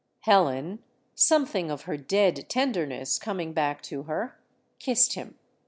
Helen, something of her dead tenderness coming back to her, kissed him.